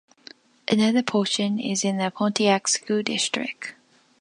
Another portion is in the Pontiac School District.